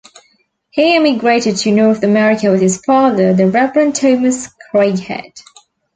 He emigrated to North America with his father, the Reverend Thomas Craighead.